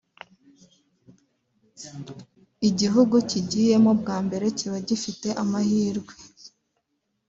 Igihugu kigiyemo bwa mbere kiba gifite amahirwe